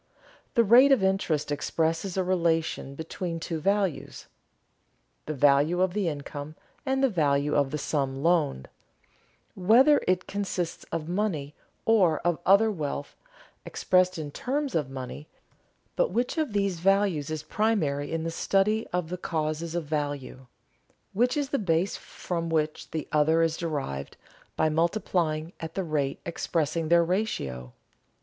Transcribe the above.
_ The rate of interest expresses a relation between two values, the value of the income and the value of the sum loaned, whether it consists of money or of other wealth expressed in terms of money; But which of these values is primary in a study of the causes of value? Which is the base from which the other is derived by multiplying at the rate expressing their ratio?